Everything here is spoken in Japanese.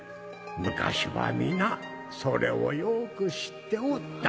昔は皆それをよく知っておった。